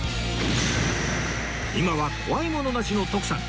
今は怖いものなしの徳さん